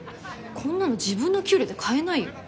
こんなの自分の給料じゃ買えないよ。